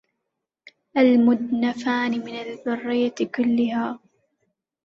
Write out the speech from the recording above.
المدنفان من البرية كلها